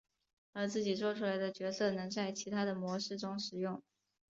而自己作出来的角色能在其他的模式中使用。